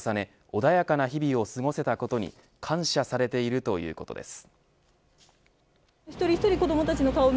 穏やかな日々を過ごせたことに感謝されているということです。